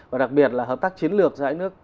và đặc biệt là hợp tác chiến lược giữa hai nước